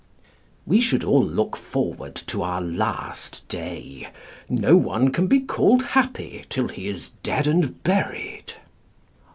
["We should all look forward to our last day: no one can be called happy till he is dead and buried."